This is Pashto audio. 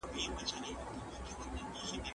د کینې او تعصب ځای ورورولۍ نیولی و.